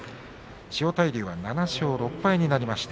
千代大龍は７勝６敗になりました。